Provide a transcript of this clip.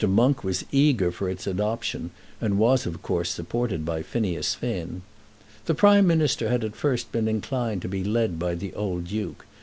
Monk was eager for its adoption, and was of course supported by Phineas Finn. The Prime Minister had at first been inclined to be led by the old Duke.